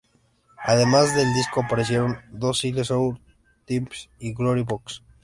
Además del disco, aparecieron dos singles, "Sour Times" y "Glory Box".